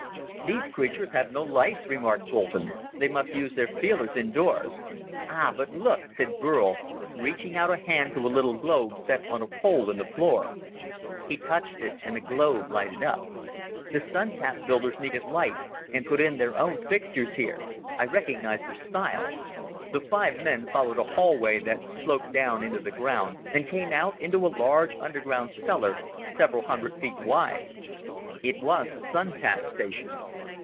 "These creatures have no lights," remarked Boulton. "They must use their feelers indoors." "Ah, but look," said Burl, reaching out a hand to a little globe set on a pole in the floor. He touched it and the globe lighted up. "The Sun tap builders needed light and put in their own fixtures here. I recognize their style." The five men followed a hallway that sloped down into the ground, and came out into a large underground cellar several hundred feet wide. It was the Sun tap station.